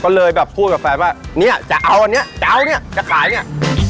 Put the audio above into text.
ก็เลยแบบพูดกับแฟนว่าเนี่ยจะเอาอันเนี้ยจะเอาเนี่ยจะขายเนี่ย